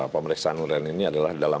pemeriksaan uren ini adalah di gorontalo